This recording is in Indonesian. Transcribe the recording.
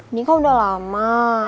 ini kan udah lama